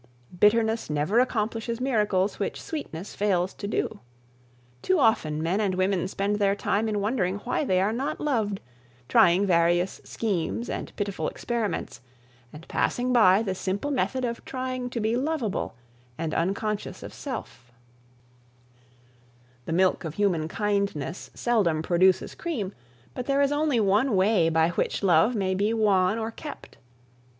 Bitterness never accomplishes miracles which sweetness fails to do. Too often men and women spend their time in wondering why they are not loved, trying various schemes and pitiful experiments, and passing by the simple method of trying to be lovable and unconscious of self. [Sidenote: "The Milk of Human Kindness"] "The milk of human kindness" seldom produces cream, but there is only one way by which love may be won or kept.